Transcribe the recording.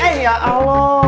eh ya allah